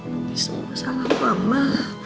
ini semua salah mama